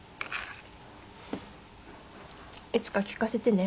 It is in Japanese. いつか聞かせてね。